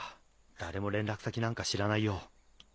誰も連絡先なんか知らないよ。